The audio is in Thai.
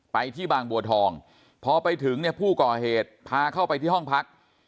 ไปที่บางบัวทองพอไปถึงเนี่ยผู้ก่อเหตุพาเข้าไปที่ห้องพัก